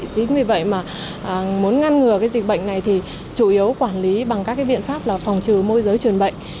chính vì vậy mà muốn ngăn ngừa dịch bệnh này thì chủ yếu quản lý bằng các biện pháp là phòng trừ môi giới truyền bệnh